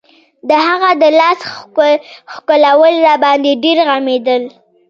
د هغه د لاس ښکلول راباندې ډېر غمېدل.